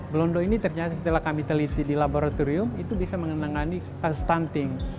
belondo ini ternyata setelah kami teliti di laboratorium itu bisa mengenangani stunting